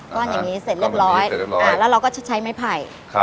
ก้อนอย่างนี้เสร็จเรียบร้อยแล้วเราก็จะใช้ไม้ไผ่